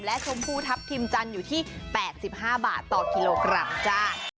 และชมพูทัพทิมจันทร์อยู่ที่๘๕บาทต่อกิโลกรัมจ้า